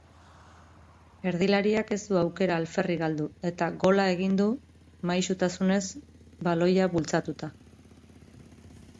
Erdilariak ez du aukera alferrik galdu eta gola egin du maisutasunez baloia bultzatuta.